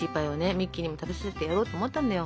ミッキーにも食べさせてやろうと思ったんだよ。